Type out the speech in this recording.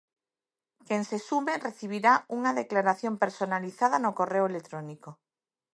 Quen se sume recibirá unha declaración personalizada no correo electrónico.